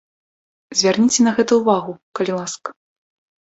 Звярніце на гэта ўвагу, калі ласка.